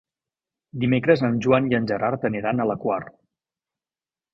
Dimecres en Joan i en Gerard aniran a la Quar.